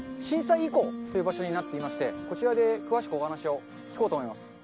震災遺構という場所になっていまして、こちらで詳しくお話を聞こうと思います。